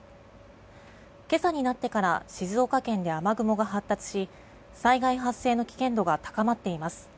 今朝になってから静岡県で雨雲が発達し災害発生の危険度が高まっています。